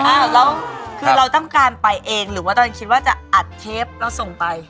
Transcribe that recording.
อ้าวแล้วคือเราต้องการไปเองหรือว่าตอนนั้นคิดว่าจะอัดเทปแล้วส่งไป